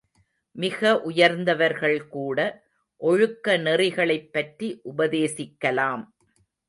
மிக உயர்ந்தவர்கள் கூட ஒழுக்க நெறிகளைப்பற்றி உபதேசிக்கலாம்.